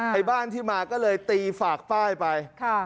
ไอ้บ้านที่มาก็เลยตีฝากฝ้ายไป